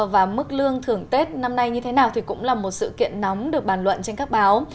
và mức lương thưởng tết năm nay như thế nào thì cũng là một sự kiện nóng được bàn luận trên các báo